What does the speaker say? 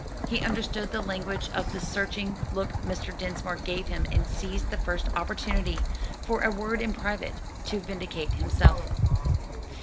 He understood the language of the searching look Mr. Dinsmore gave him and seized the first opportunity for a word in private, to vindicate himself.